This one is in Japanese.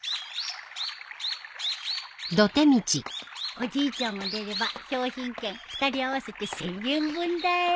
おじいちゃんも出れば商品券２人合わせて１，０００円分だよ。